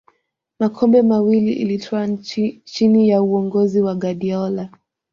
makombe mawili ilitwaa chini ya uongozi wa guardiola